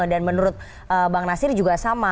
dan menurut bang nasir juga sama